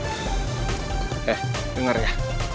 eh denger ya